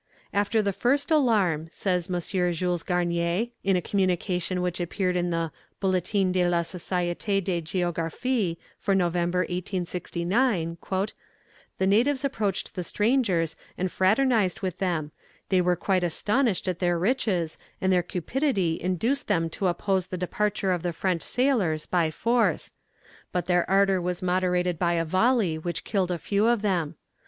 "After the first alarm," says M. Jules Garnier, in a communication which appeared in the "Bulletin de la Societé de Géographie" for November, 1869, "the natives approached the strangers and fraternized with them; they were quite astonished at their riches, and their cupidity induced them to oppose the departure of the French sailors by force; but their ardour was moderated by a volley which killed a few of them.